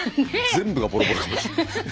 全部がボロボロかもしれないですよ。